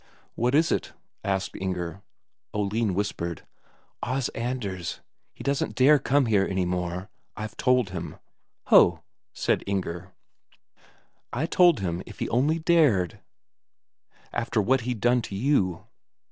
"What is it?" asked Inger. Oline whispered: "Os Anders, he doesn't dare come here any more. I've told him." "Ho!" said Inger. "I told him if he only dared, after what he'd done to you."